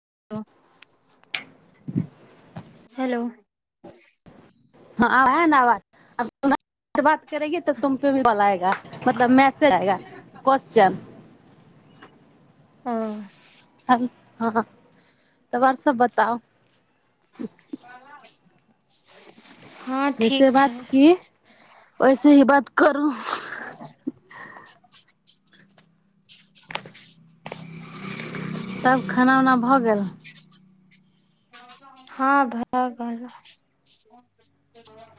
[inaudible] Hello. [unintelligible] ह। ह हँ त आर सब बताउ। [unintelligible] [unintelligible] ठीक जैसे छै बात की वैसे ही बात करू। [unintelligible] तब खाना उना भऽ गेल। हँ भरा गेल।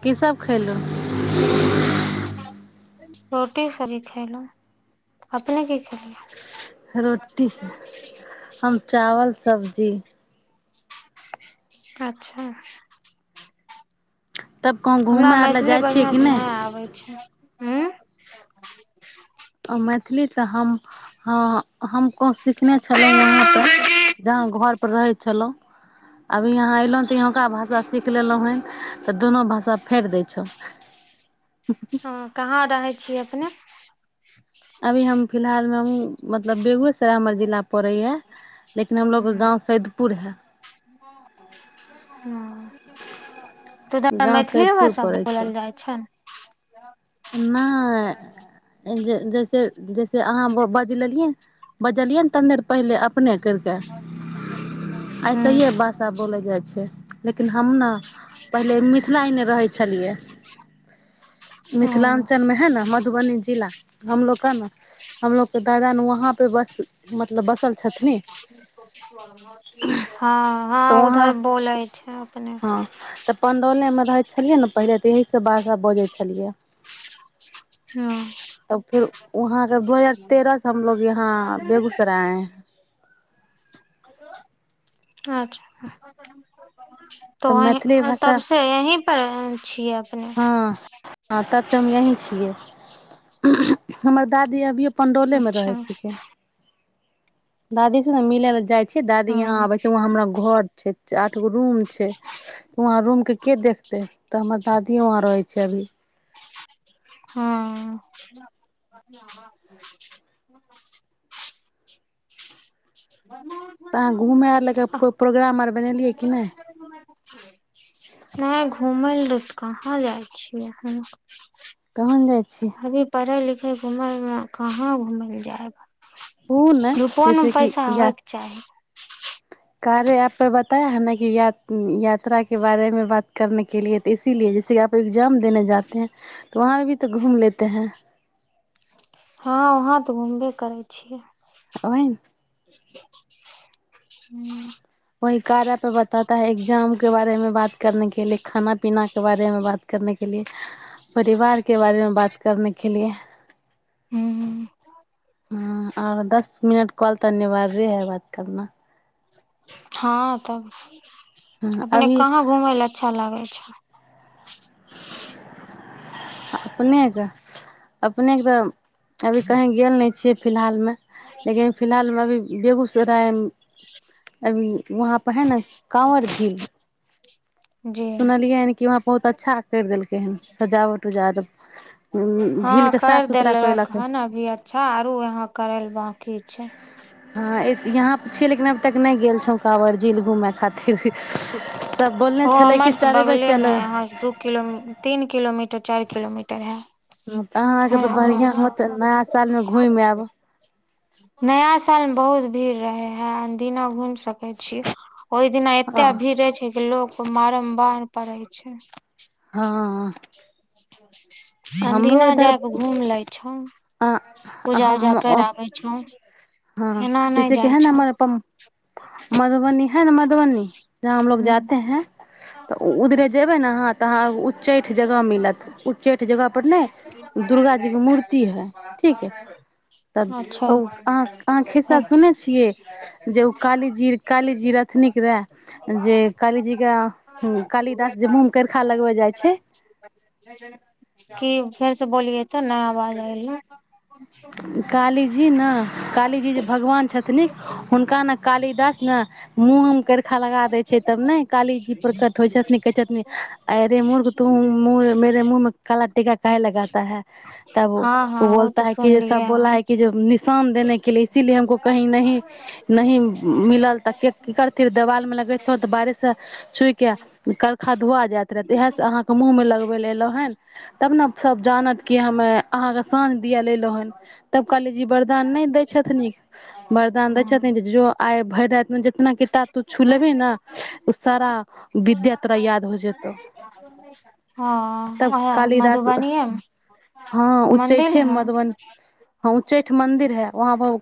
कीसभ खयलहुँ। रोटी सी खेलहु अपने की खेलियै। रोटी से हम चावल सबजी। अच्छा। तब कहूँ हमरा घूमय आर लए मैथिली जाइ छियै कि बढ़िआँसँ नहि आबै छै। हँ मैथिली तऽ हम हँ। हम कह सिखने छलहुँ वहाँपे जहाँ घरपर रहै छलहुँ अभी यहाँ अयलहुँ तऽ यहौँका भाषा सीख लेलहुँ हन तऽ दुनू भाषा फेटि दै छौ हँ कहाँ रहै छी अपने। अभी हम फिलहालमे हम। मतलब बेगूसराय हमर जिला पराये लेकिन हमलोग के हूँ गांव सैदपुर है। हँ तऽ तरा गाँव मैथिलीए सैदपुर भाषा पड़ै बोलल जाइ छै ने। [inaudible] नहि ज जैसे जैसे अहाँ बज लेलियै बजलियै ने तनि देर पहिले। अपने केलकै ऐसे हूँ ही भाषा बोले जाय छे लेकिन हम ने पहिले मिथिला एने रहै छलियै। हँ मिथिलाञ्चलमे है ने मधुबनी जिला। हमलोग के ने हमलोग के दादा ने वहाँ पे बस मत। बसल छथनि हँ त हँ वहाँ उधर बोलै छै अपने हँ पंडौल मे रहै छलियै ने पहिले तऽ यएह सब भष बजै छलियै। हँ [inaudible] तब फिर वहाँके दू हजार तेरह से हमलोग यहाँ बेगूसराय आए है [inaudible] अच्छा तऽ त मैथिली अह तब भाषा से यही। कर छिय। हँ तब त हम यहीं छी। [unintelligible] हमर दादी अभियो। पण्डौलेमे अच्छा रहै छिकै दादी सु ने मिल ल जाइ छी। दादी यहाँ हँ आबे छै वहाँ हमरा घर। [unintelligible] एगो रूम छै वहाँ रूम के। के देखते तऽ। त दिय वहाँ रहै छै अभी। हँ। ह तऽ अहाँ घूमय आर लए कऽ कोइ प्रोग्राम आर बनेलियै कि नहि। नहि घुमय ल लेलऽ कहाँ जाइ छियै हम। कहन जाइ छै। अभी पढ़ा लिखा। घुमयमे कहाँ घुमय लए जाय। ओ ने जैसे किी या। होयके [unintelligible] कार्य आपे बताय है न कि य यात्रा के बारेमे बात करने के लि तऽ इसीलिए जैसेप एग्जाम देने जाे है त वहाँ भी तऽ घूम लेते हैं। हँ वहाँं तऽ घूमबे करै छियै। ओ। हू वहि कारा पे बता है एग्जाम के बारेमे बात। कर के लि खाना पीना। के बारे में बात करने के लिए। परिवार के बारेमे बात करनेके। के लिए। हूम। ह आओर दस मिनट कॉल तऽ अनिवार्य है बात करना। हँ तब। हँ अपने अभी कहाँ घुमय ल अच्छा लागै छै। अपनेके अपनेके तऽ अभी कहीँ गेल नहि छियै फिलहालमे लेकिन फिलहालमे अभी। बेगूसरायमे अभी। वहाँ परे है न कांवर झील। जी सुनलियै हन कि वहाँ बहुत अच्छा करि देलकै हन सजावट उजाव। हँ कर देल रह हन अभी अच्छा आर यहा करे ल बकी। हँ यहाँ पर छियै लेकिन अब तक नहि गेल छौ काँवर झील घूमय खातिर सब बोलने छलै कि हमर तऽ चलेबै बगलेमे चलेबै हह तीन कमर चार किलोमीटर तऽह [inaudible] ह तऽ अहाँके तऽ बढ़िआँ होतै नया सालमे घुमि आयब नया सालमे बहुत भीड़ रहै हइ अदिना घुमि सकै छी ओहि दिना हँ एतेक भीर रहै छै लोक मारमबार पड़ै छै हँ आ [unintelligible] अदीना जाय क घूम ले छी अ कर आबे छौ हँ एना नै जैसे की जाय है न छौ हमर अपन मधुबनी है ने मधुबनी जहा हम लोग हूँ जाे हैं तऽ उधरे जेबे ने अहा तहाँ उच्चैठ जगह मिलत उच्चैठ जगह पर ने दुर्गा जी के मूर्ति इ है ठीक हइ तब अच्छा ओ अहाँ खिस्सा ह सुनै छियै जे ओ कालीजी कालीजी रहथिनक रहाअ जे कालीजीके कालिदास जे मुूँह करखा लगबै जाइ छै की फेर से बोलिये तऽ न आवाज आयले काली जी ने काली जी जे भगवान छथिन हुनका ने कालिदास ने मुँह हुनकर खराब लगा देै छै तब ने काली जी प्रकट होइ छथिन कहै छथिन अ अरे मुूर्ख तू म मेे मुँह मे काला टीका के लगता है तब हँ ओ हँ बोलता तऽ है कि जे सब सुनलियै बोला हन है कि निशान देने के लि इसीलिए हमको कही न नह मिलल तऽ की करथि देवाल मे त बारिश से छुइ के करखा धुआ जात रहे इहे से अहाँ के मुंह में लगबे ल एलौ हेन तब ने सब जानत की हमे अहाँ के साँझ दिय ला एलहूँ तब कहली जी वरदान नहि दै छथिन वरदान दै छथिन जो आइ भरि रातिमे जेितना किताब तू छुलेबे ओ सारा विद्या तोरा याद हो जेतौ हँ तब ओह कालिदास मधुबनीए मे हँ तऽ मंदिर उच्चैठे है मधुबनी हँ उच्चैठ मंन्दिर हइ वहाँ ब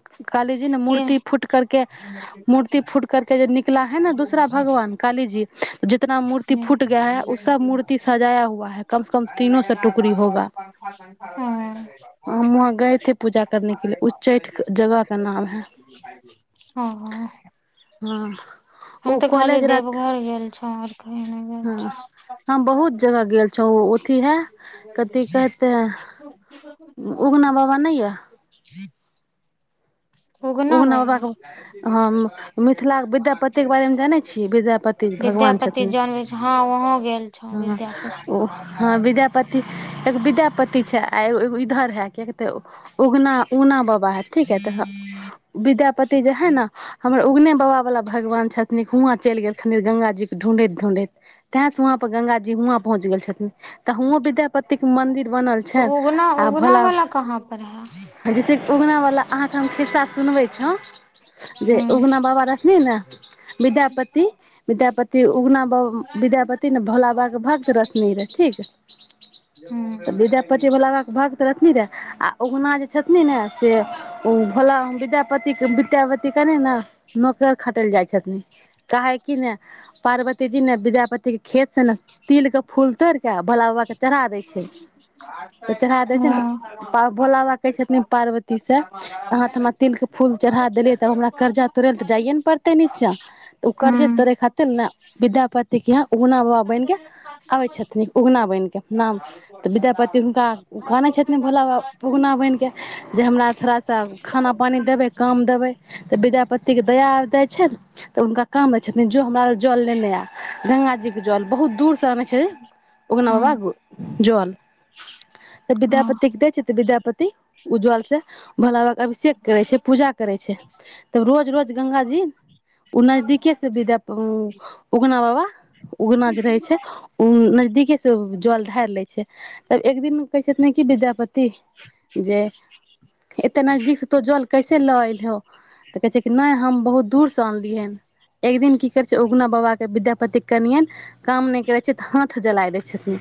की [unintelligible] ह गएथे पूजा करने के लिए उच्चैठ जगह का नाम है हँ हम ओ तऽ खाली कॉलेज रात देवघर गेल छौर हँ हम बहुत जगह गेल छौ ओथी हे कथि कहेते उगना बाबा नहि याए उगना बाबाे ह मिथिलाके विद्यापती बारेमे जानै छियै विद्यापति भगवान विद्यापति छथिन जानबै छै हँ वहों गेल छौ हँ ओ ह विद्यापति विद्यापति एगो विद्यापति छै आ एगो एगो इधर है कि याक उगना उगना बाबा ह ठीक हे तऽ विद्यापति जे है ने हमरो उगने बाबा बला भगवान छथिन हुआँ चलि गेलखिन गङ्गाजीके ढूँढैत ढूँढैत तेंसे वहाँपर गङ्गाज जी हुआं पहुँच गेल छथिन तऽ हुओं विद्यापति के मंदिर बनल तऽ छन उगना आ उगना भोला वाला कहाँ पर है बाबा जैसेेक उगना बाला अहाँके हम खिस्सा सुनवे छो जे हूँ उगना बाबा रहथिनी ने विद्यापति विद्यापति उगना बाबा विद्यापति ने भोला बा के भक्त रहथिनी रे ठीक हूँ तऽ विद्यापति भोला बाे भकत रहथिन रेह आ उगना जे छथिन ने से भोला बाबा विद्यापति के विद्यापति कने ने नौकर खटल जाय छथिन काहे की ने पार्वती जी ने विद्यापति के खेत से ने तिल के फूल तोड़िके भोला बाबाके चढ़ा दै छै तऽ चढ़ा दै छै ने तऽ भोला बाबा कहै छथिन पार्वती से अहाँ त हमरा तिल के फूल चढ़ा देलियै तब हमरा कर्जा तोड़ ल तऽ जाइयए ने पड़ते नीचा तऽ कर्जे हँ तोड़े खातिर ने विद्यापति ताँ उगना बाबा बनिके आबै छथिन उगना बनिकऽ नाम तऽ विद्यापति हुनका कहानै छथिन भोला बाबा उगना बनिके जे हमरा थोड़ा सा खाना पानी देबै काम देबे त विद्यापति के दया छै तऽ हुनका काम रहै छथिन हम जल लेने आ गंग जी जल बहुत दूर से आमे छ छै हूँ उगना बाबा जल हूँ हँ विद्यापति के दै छै तऽ विद्याप पति उज्ज्वल से भला भ अभिषेक करै छै पूजा करै छै तब रोज रोज गंग जी ओ नजदीके से विदा उगना बाबा उगना जे रहै छै ओ नजदीके से जल ढार ले छै तब एक दिन कहै छथिन विद्यापति जे नजदीक तो जल कैसे ल एल हौ तऽ कहै छै कि नहि हम बहुत दूर से अनलियहेन एक दिन की करे छैे उगना बाबा के विद्यापतिक कलियेनि काम नहि करै छै तऽ हाथ जलाय द छै छथिन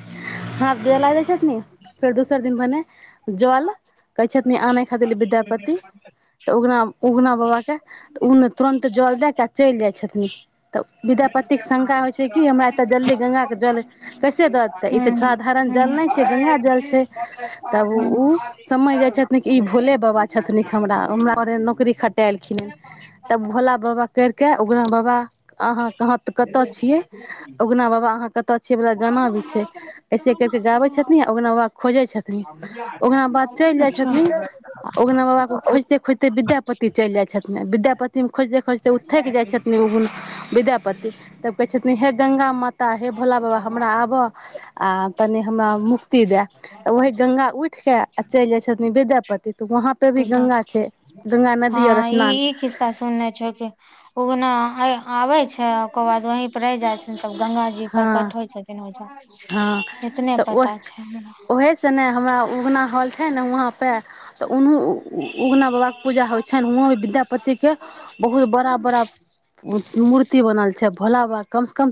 हँ द लागै छथि फेर दोसर दिन बने जल कहै छथिन आनय खातिर ल विद्यापति तऽ उगना उगना बाबाके तऽ ओ ने तुरन्त जल दए क चलि जाइ छथिन तऽ विद्यापतिके शंका होइ छै कि हमरा एतऽ जल्दी गंगा के जल कैसे द दे तै ई तऽ साधारण जल नहि छै गंगा जल छै तब उ समझ आ जाइ छथिन कि ई च भोले बाबा [inaudible] छथिन हमरा, हमरा ओरे नौकरी खट्टे अयलखिने तब भोला बाबा कैरके उगना बाबा अहाँ क हाथ कतते छिय उगना बाबा अहाँ कतते छिय बाला गाना भी छैय ऐसी करके गावैय छथिन उगना बाबा खोजैय छतनी उगना चलि जाय छथिन उगना बाबा के खोजिते खोजिते विद्यापति चलि जाइ छथिन ने विद्यापति मे खोजिते खोजिते उ थकि जाइ छथिन उगना पति तब कहै छथिन हे- गंगा माता तऽ हे भोला बाबा हमरा आबऽ आ तनि हमरा मुक्ति दए तऽ ओह गंगा उठिके आ चलि जाइ छथिन विद्यापति वहाँ पे भी गंगा छै गंगा नदी और हँ ई स्नान ई खिस्सा सुनने छो कि उगना आबे छै ओकर बाद वहीं पर रहै जाइन छ तऽ गंगााजी हँ प्रकट होइ छथिन हँ ओइजम एतने तऽ ओ पता छै हमरा छे ने वहाँ पे तऽ उनू उगना बाबा के पूजा होइ छ ने उहं भी विद्यापति के बहुत बड़ा बड़ा मूर्ति बनल छै छै भोला बाबा कम स कम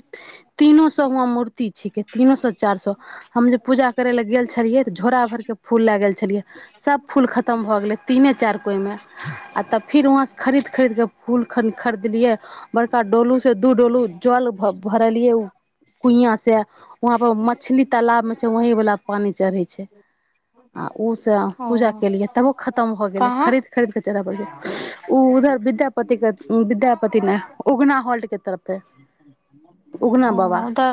तीनो सौ हुआ मूर्ति छिके तीनो सौ चार सौ हम जे पूजा करेले गेल छलियै त झोरा भर के फूल लए गेल छलियै सब फूल खतम भए गेले तीने चार कोई मे आ तब फिर वहां से खरीद खरीद के फूल खरीदलियै बड़का डोलू से दू डोलू जल भरलियै उ कुइयां से वहाँ पर मछली तालाब में छैय वहं वाला पानी चढ़े छैय आ उ से ओ पूजा केलियै तबो खत्म खतम भ गेलै कहाँ खरीद खरीद के चदा पड़ जा [inaudible] उ उधर विद्यापति के विद्यापति नै उगना हॉल्ट के तरफे उगना उ बाबा त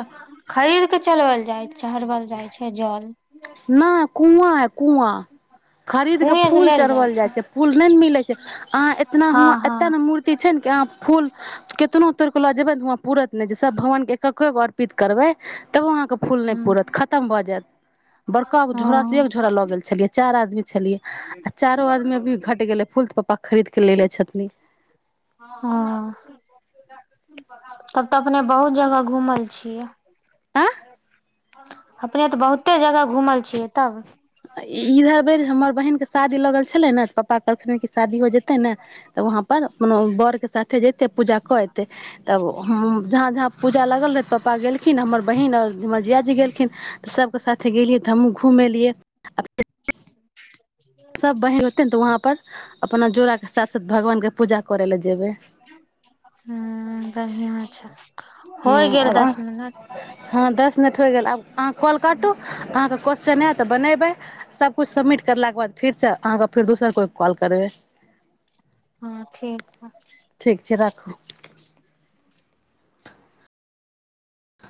खरीद के चलवल जाय छैय चरवल जाय छै जल न कुआँ हइ कुआँ खरीद के कुएं से फूल लेल चढ़वल जाइ छै फूल नहि ने मिलै [inaudible] अहाँ एतना हुआ हँ हँ एते ने मूर्ति छैय ने कि अहाँ फूल केतनो तोर के लऽ जेबै ने हुआं पूरत नहि जे सब भगवान के एक्कके गो अर्पित करबै तबो अहाँके फूल नहि हँ पुरत खतम भऽ जायत बड़का गो झोड़ा से एक हँ झोड़ा लऽ गेल छलियै चार आदमी छलिय आ चारो आदमी अभी घट गेलै फूल त खरीदके ले छथिन हँ तब तऽ अपने बहुत जगह घुमल छियै आँ आ [inaudible] अपने तऽ बहुते जगह घुमल छियै तब इधर बेर हमर बहिनके शादी लगल छलै ने पपा कहलखिन कि शादी हो जेतै ने तऽ वहाँं बर के साथे जते पूजा कर एते तब जहाँ जहाँ जा लागल रहै पपा गेलखिन हमर बहिन आर हमर जिया जी गेलखिन तऽ सब ओ साथे गेलै तऽ हमहुँ घूम एलियै अब ह [inaudible] सभ बहीन होतै ने तऽ वहाँपर अपना जोड़ाके साथ साथ भगवानके पूजा करय लए जेबै ह बढ़िआँ छै होइ हूँ गेल दस मिनट अहाँ दस मिनट हो गेलब अहाँ कॉल काटू अहाँके क - चने तऽ बनेबै सबकुछु सबिट करलाके बाद फेरसँ अहाँके फेर दोसर कोइ कॉल करबै हँ ठीक ठीक छै राखू हइ